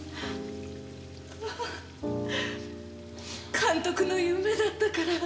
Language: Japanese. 監督の夢だったから。